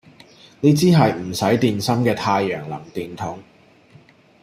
呢支係唔使電芯嘅太陽能電筒